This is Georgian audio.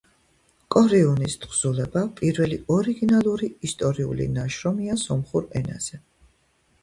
კორიუნის თხზულება პირველი ორიგინალური ისტორიული ნაშრომია სომხურ ენაზე.